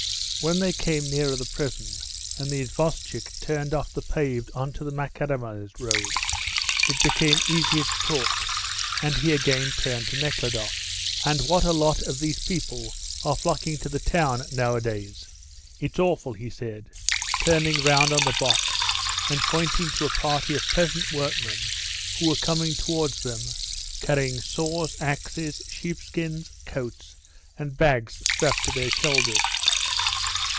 When they came nearer the prison, and the isvostchik turned off the paved on to the macadamised road, it became easier to talk, and he again turned to Nekhludoff. "And what a lot of these people are flocking to the town nowadays; it's awful," he said, turning round on the box and pointing to a party of peasant workmen who were coming towards them, carrying saws, axes, sheepskins, coats, and bags strapped to their shoulders.